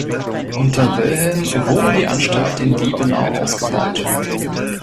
Unter Wilhelm wurde die Anstalt in Liebenau ausgebaut.